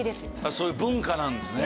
そういう文化なんですね。